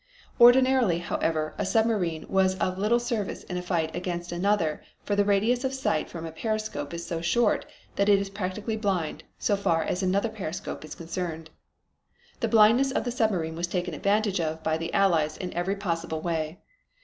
Ordinarily, however, a submarine was of little service in a fight against another for the radius of sight from a periscope is so short that it is practically blind so far as another periscope is concerned. This blindness of the submarine was taken advantage of by the Allies in every possible way.